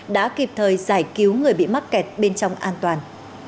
đã kịp thời giải cứu người bị mắc kẹt bên trong an toàn